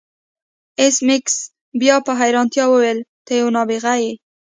ایس میکس بیا په حیرانتیا وویل ته یو نابغه یې